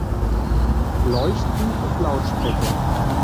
Leuchten und Lautsprecher.